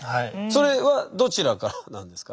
それはどちらからなんですか？